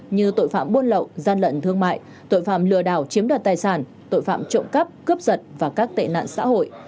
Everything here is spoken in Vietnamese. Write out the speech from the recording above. như tội phạm buôn lậu gian lận thương mại tội phạm lừa đảo chiếm đoạt tài sản tội phạm trộm cắp cướp giật và các tệ nạn xã hội